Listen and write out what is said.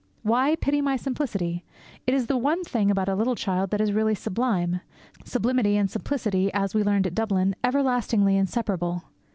Why 'pity my simplicity'? It is the one thing about a little child that is really sublime, sublimity and simplicity being, as we learned at Dublin, everlastingly inseparable.